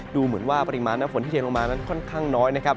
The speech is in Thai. ดูเหมือนว่าปริมาณน้ำฝนที่เทลงมานั้นค่อนข้างน้อยนะครับ